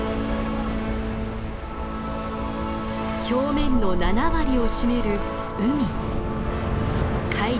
表面の７割を占める海。